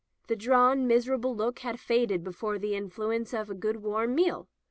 The drawn, miserable look had faded before the influence of a good warm meal.